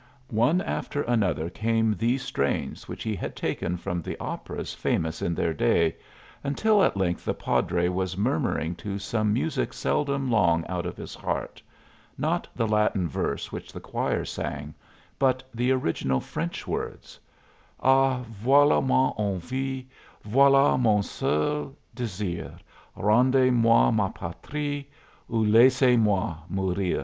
One after another came these strains which he had taken from the operas famous in their day, until at length the padre was murmuring to some music seldom long out of his heart not the Latin verse which the choir sang, but the original French words: "Ah, voile man envie, Voila mon seul desir: Rendez moi ma patrie, Ou laissez moi mourir."